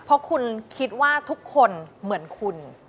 เพราะคุณคิดว่าทุกคนเหมือนคุณ